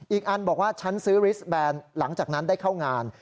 อีกอันบอกว่าฉันซื้อริสแบนหลังจากนั้นได้เข้างาน